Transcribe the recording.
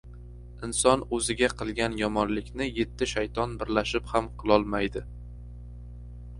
• Inson o‘ziga qilgan yomonlikni yetti shayton birlashib ham qilolmaydi.